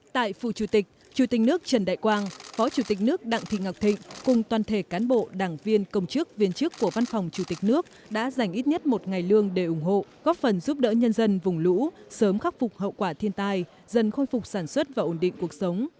tại phủ chủ tịch chủ tịch nước trần đại quang phó chủ tịch nước đặng thị ngọc thịnh cùng toàn thể cán bộ đảng viên công chức viên chức của văn phòng chủ tịch nước đã dành ít nhất một ngày lương để ủng hộ góp phần giúp đỡ nhân dân vùng lũ sớm khắc phục hậu quả thiên tai dần khôi phục sản xuất và ổn định cuộc sống